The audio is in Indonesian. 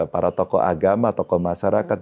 para tokoh agama tokoh masyarakat